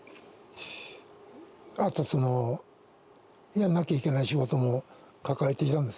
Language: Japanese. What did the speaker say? あとやんなきゃいけない仕事も抱えていたんです